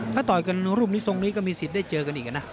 ถ้าต่อยกันรูปนี้ทรงนี้ก็มีสิทธิ์ได้เจอกันอีกนะ